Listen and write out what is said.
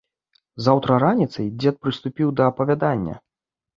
Заўтра раніцай дзед прыступіў да апавядання.